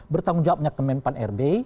bertanggung jawabnya ke menpan rbi